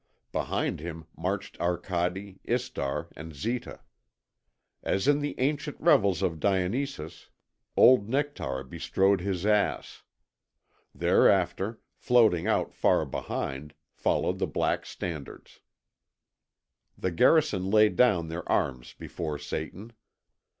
Behind him marched Arcade, Istar, and Zita. As in the ancient revels of Dionysus, old Nectaire bestrode his ass. Thereafter, floating out far behind, followed the black standards. The garrison laid down their arms before Satan.